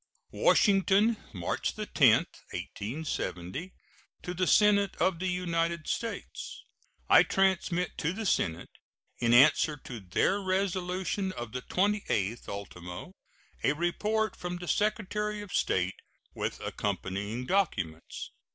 WASHINGTON, March 10, 1870. To the Senate of the United States: I transmit to the Senate, in answer to their resolution of the 28th ultimo, a report from the Secretary of State, with accompanying documents.